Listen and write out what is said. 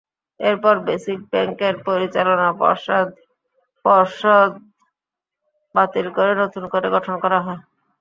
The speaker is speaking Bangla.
এরপর বেসিক ব্যাংকের পরিচালনা পর্ষদ বাতিল করে নতুন করে গঠন করা হয়।